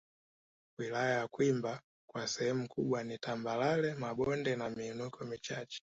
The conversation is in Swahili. Wilaya ya Kwimba kwa sehemu kubwa ni tambarare mabonde na miinuko michache